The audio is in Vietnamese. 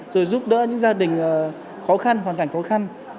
rồi giúp đỡ những gia đình khó khăn hoàn cảnh khó khăn